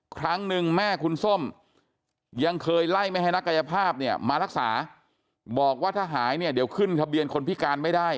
ครั้งหนึ่งแม่คุณส้มยังเคยไล่ไม่ให้นักกายภาพเนี่ยมารักษาบอกว่าถ้าหายเนี่ยเดี๋ยวขึ้นทะเบียนคนพิการไม่ได้